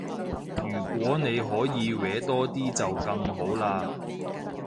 如果你可以搲多啲就更好啦